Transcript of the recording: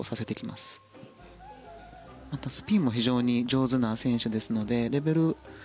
またスピンも非常に上手な選手ですのでレベル